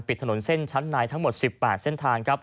ถนนเส้นชั้นในทั้งหมด๑๘เส้นทาง